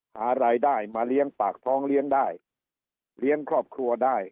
หารายได้มาเลี้ยงปากท้องเลี้ยงได้เลี้ยงครอบครัวได้